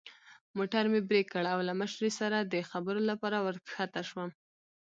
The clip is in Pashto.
موټر مې برېک کړ او له مشرې سره د خبرو لپاره ور کښته شوم.